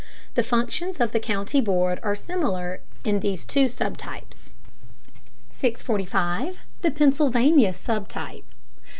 The functions of the county board are similar in these two sub types. 645. THE PENNSYLVANIA SUB TYPE.